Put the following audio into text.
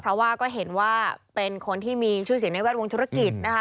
เพราะว่าก็เห็นว่าเป็นคนที่มีชื่อเสียงในแวดวงธุรกิจนะคะ